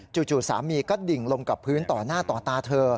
จู่สามีก็ดิ่งลงกับพื้นต่อหน้าต่อตาเธอ